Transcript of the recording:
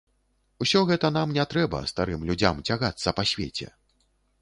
Усё гэта нам не трэба, старым людзям цягацца па свеце!